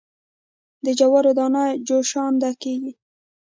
د جوارو دانه جوشانده کیږي.